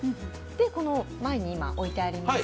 この前に置いてあります